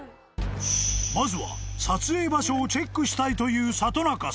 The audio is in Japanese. ［まずは撮影場所をチェックしたいという里中さん］